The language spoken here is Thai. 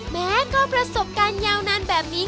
แม้ก็ประสบการณ์ยาวนานแบบนี้